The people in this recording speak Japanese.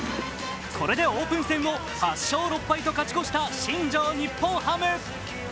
これでオープン戦も８勝６敗と勝ち越した新庄日本ハム。